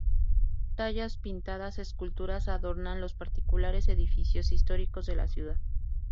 Tallas pintadas, esculturas adornan los particulares edificios históricos de la ciudad.